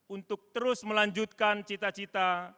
untuk terus melanjutkan cita cita